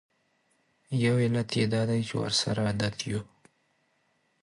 یو علت یې دا دی چې ورسره عادت یوو.